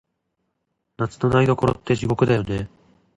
夏の台所って、地獄だよね。